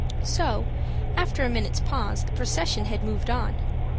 So, after a minute's pause, the procession had moved on.